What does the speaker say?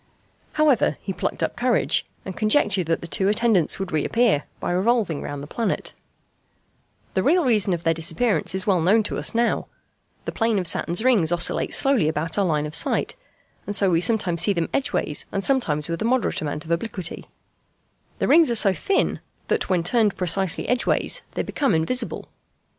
However, he plucked up courage, and conjectured that the two attendants would reappear, by revolving round the planet. [Illustration: FIG. 50. Saturn and his rings, as seen under the most favourable circumstances.] The real reason of their disappearance is well known to us now. The plane of Saturn's rings oscillates slowly about our line of sight, and so we sometimes see them edgeways and sometimes with a moderate amount of obliquity. The rings are so thin that, when turned precisely edgeways, they become invisible.